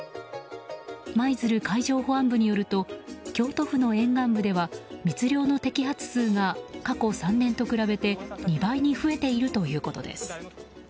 舞鶴海上保安部によると京都府の沿岸部では密漁の摘発数が過去３年と比べて２倍に増えているということです。